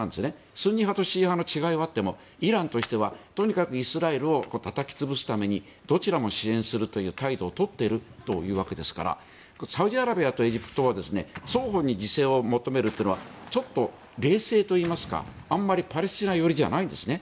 スンニ派とシーア派の違いはってイランとしてはとにかくイスラエルをたたき潰すためにどちらも支援するという態度を取っているというわけですからサウジアラビアとエジプトは双方に自制を求めるというのはちょっと冷静といいいますかパレスチナ寄りではないんですね。